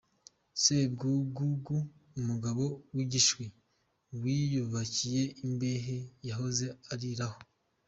Sebwugugu, umugabo w’igishwi wiyubikiye imbehe yahoze ariraho.